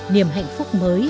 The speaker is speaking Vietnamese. niềm hạnh phúc mới